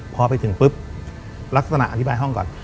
พอไปถึงปุ๊บลักษณะอธิบายห้องก่อน